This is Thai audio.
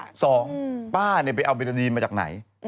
ข้อสามป้าเนี่ยไปเอาบริษัทดีมมาจากไหน